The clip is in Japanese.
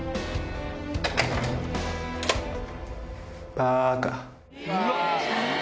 バカ。